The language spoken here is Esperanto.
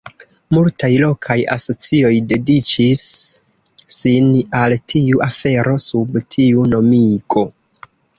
Multaj lokaj asocioj dediĉis sin al tiu afero sub tiu nomigo.